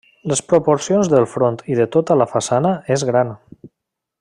Les proporcions del front i de tota la façana és gran.